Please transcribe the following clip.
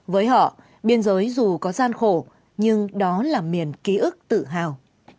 với họ biên giới dù có gian khổ nhưng đó là miền ký ức tự hào